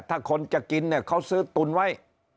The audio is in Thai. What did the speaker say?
ถ้าคนจะกินเนี่ยเขาซื้อตุนไว้